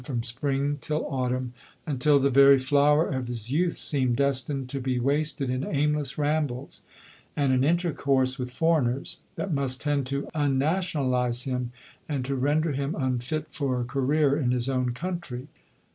85 from spring till autumn, until the very flower of his youth seemed destined to be wasted in aimless rambles, and an intercourse with foreigners, that must tend to unnationalize him, and to render him unfit for a career in his own country.